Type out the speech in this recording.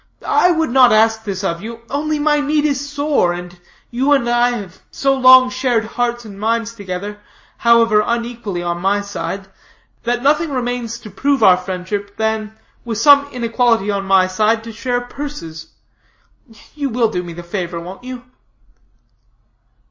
I would not ask this of you, only my need is sore, and you and I have so long shared hearts and minds together, however unequally on my side, that nothing remains to prove our friendship than, with the same inequality on my side, to share purses. You will do me the favor won't you?"